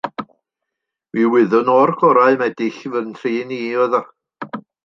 Mi wyddwn o'r gorau mai dull i fy nhrin i oedd o.